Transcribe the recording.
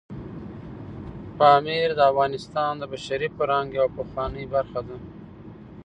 پامیر د افغانستان د بشري فرهنګ یوه پخوانۍ برخه ده.